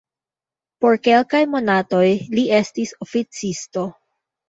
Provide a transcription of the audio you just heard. Por kelkaj monatoj li estis oficisto.